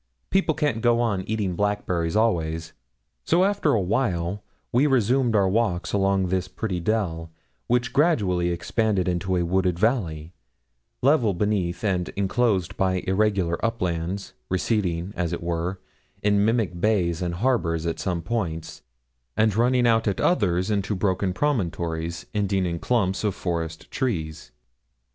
People can't go on eating blackberries always; so after a while we resumed our walk along this pretty dell, which gradually expanded into a wooded valley level beneath and enclosed by irregular uplands, receding, as it were, in mimic bays and harbours at some points, and running out at others into broken promontories, ending in clumps of forest trees.